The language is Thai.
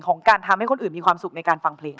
ของการทำให้คนอื่นมีความสุขในการฟังเพลง